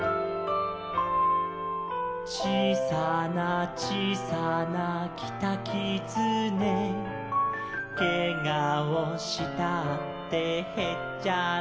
「ちいさなちいさなキタキツネ」「けがをしたってへっちゃらだ」